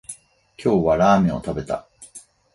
今日はラーメンを食べた